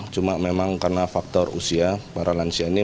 cuma memang karena faktor usia para lansia ini